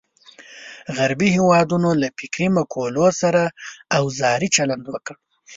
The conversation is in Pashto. غربي هېوادونو له فکري مقولو سره اوزاري چلند وکړ.